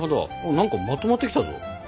何かまとまってきたぞ。